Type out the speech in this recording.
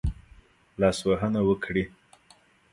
لاسوهنه وکړي.